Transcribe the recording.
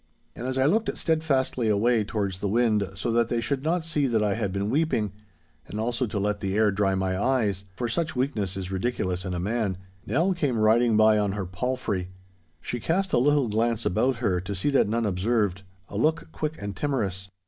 And as I looked steadfastly away towards the wind, so that they should not see that I had been weeping, and also to let the air dry my eyes (for such weakness is ridiculous in a man), Nell came riding by on her palfrey. She cast a little glance about her to see that none observed, a look quick and timorous.